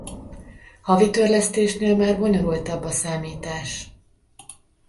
Havi törlesztésnél már bonyolultabb a számítás.